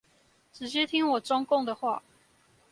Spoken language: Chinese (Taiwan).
直接聽我中共的話